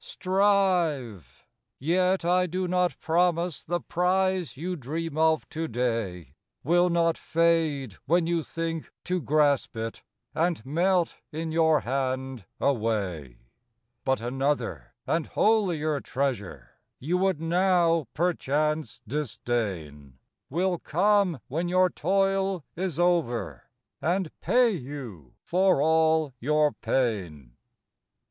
OTRIVE ; yet I do not promise The prize you dream of to day Will not fade when you think to grasp it, And melt in your hand away; But another and holier treasure, You would now perchance disdain, Will come when your toil is over, And pay you for all your pain.